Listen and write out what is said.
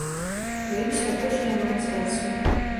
Баюся, апошнія маюць рацыю.